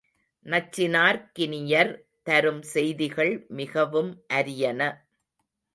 நச்சினார்க்கினியர் தரும் செய்திகள் மிகவும் அரியன.